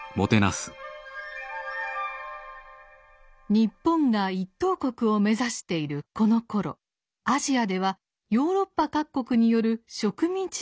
日本が一等国を目指しているこのころアジアではヨーロッパ各国による植民地支配が強まっていました。